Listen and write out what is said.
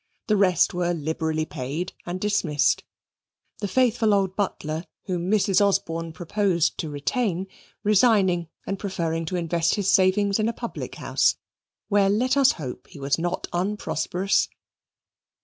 The rest were liberally paid and dismissed, the faithful old butler, whom Mrs. Osborne proposed to retain, resigning and preferring to invest his savings in a public house, where, let us hope, he was not unprosperous.